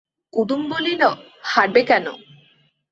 কুমুদ বলিল, হারাবে কেন?